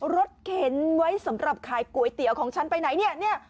เข็นไว้สำหรับขายก๋วยเตี๋ยวของฉันไปไหนเนี่ย